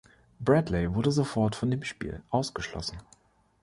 Bradley wurde sofort von dem Spiel ausgeschlossen.